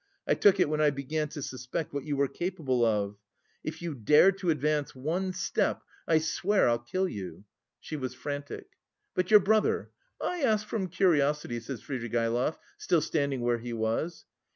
I took it when I began to suspect what you were capable of. If you dare to advance one step, I swear I'll kill you." She was frantic. "But your brother? I ask from curiosity," said Svidrigaïlov, still standing where he was.